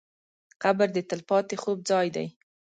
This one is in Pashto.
قبر د تل پاتې خوب ځای دی.